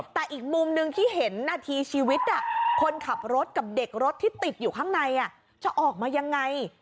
แต่อีกมุมหนึ่งที่เห็นนาทีชีวิตคนขับรถกับเด็กรถที่ติดอยู่ข้างในจะออกมายังไง